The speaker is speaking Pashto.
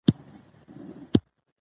د باران اوبه د کروندو لپاره ډېره ګټه لري